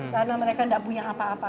karena mereka tidak punya apa apa